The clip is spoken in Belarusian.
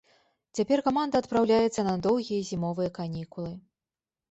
Цяпер каманда адпраўляецца на доўгія зімовыя канікулы.